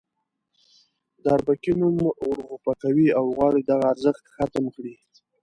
د اربکي نوم ورغوپه کوي او غواړي دغه ارزښت ختم کړي.